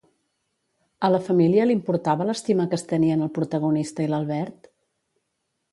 A la família li importava l'estima que es tenien el protagonista i l'Albert?